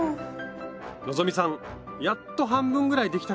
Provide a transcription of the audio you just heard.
希さんやっと半分ぐらいできたかな？